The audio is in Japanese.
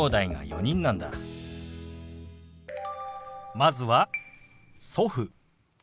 まずは「祖父」。